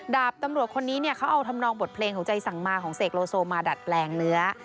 ดาบตำรวจคนนี้เนี่ยเขาเอาทำนองบทเพลงของใจสั่งมาของเสกโลโซมาดัดแปลงเนื้อ